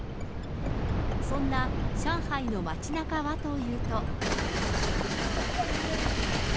そんな上海の街なかはというと。